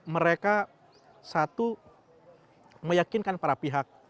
mereka satu meyakinkan para pihak